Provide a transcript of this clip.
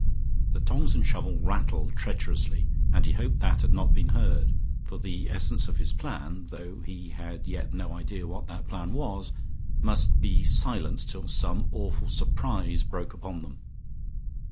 The tongs and shovel rattled treacherously, and he hoped that had not been heard, for the essence of his plan (though he had yet no idea what that plan was) must be silence till some awful surprise broke upon them.